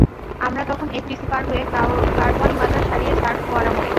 আমরা তখন এফডিসি পার হয়ে কারওয়ান বাজার ছাড়িয়ে সার্ক ফোয়ারা মোড়ে।